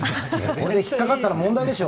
俺、引っかかったら問題でしょ！